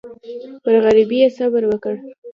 پر غریبۍ یې صبر وکړ.